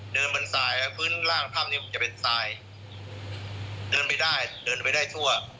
เดินไปได้เดินไปได้ทั่ว